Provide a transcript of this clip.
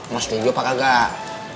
mas setuju apa kagak